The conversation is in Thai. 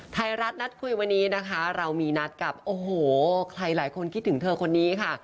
ไทยรัฐนัดคุยวันนี้นะคะเรามีนัดกับโอ้โหใครหลายคนคิดถึงเธอคนนี้ค่ะ